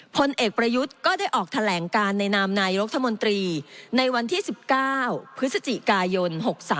พลเอกประยุทธ์ก็ได้ออกแถลงการในนามนายรัฐมนตรีในวันที่๑๙พฤศจิกายน๖๓